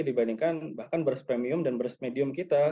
dibandingkan bahkan beras premium dan beras medium kita